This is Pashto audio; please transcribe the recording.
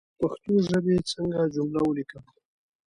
د پښتو ژبى څنګه جمله وليکم